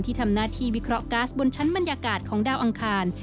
ทำหน้าที่วิเคราะห์ก๊าซบนชั้นบรรยากาศของดาวอังคาร